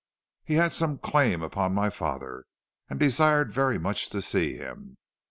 "He had some claim upon my father, and desired very much to see him.